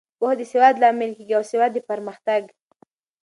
پوهه د سواد لامل کیږي او سواد د پرمختګ.